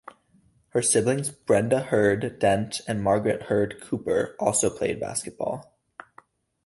Her siblings Brenda Heard Dent and Margaret Heard Cooper also played basketball.